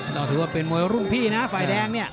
ตอบที่ว่าเป็นมวยลูกพี่นะฝ่ายแดง